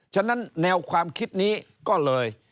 ฉะนั้นแนวความคิดนี้ก็เลย